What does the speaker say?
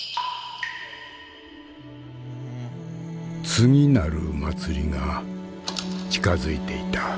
次なる祭りが近づいていた。